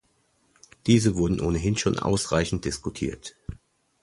Diese wurden ohnehin schon ausreichend diskutiert.